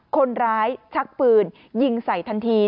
คนร้ายชักปืนยิงใส่ทันที